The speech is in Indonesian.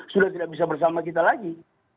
sudah tidak bisa bersama kita lagi